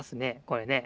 これね。